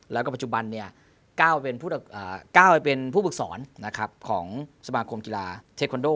แล้วก็ปัจจุบันก้าวไปเป็นผู้ฝึกสอนของสมาคมกีฬาเทควันโด